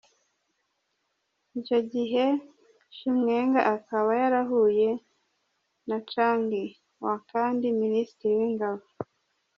Icyo gihe Chiwenga akaba yarahuye na Chang Wanquan, Minisitiri w’ingabo.